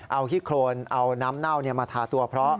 เอาขี้โครนเอาน้ำเน่ามาทาตัวเพราะ